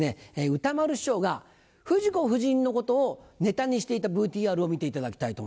歌丸師匠が冨士子夫人のことをネタにしていたＶＴＲを見ていただきたいと思います。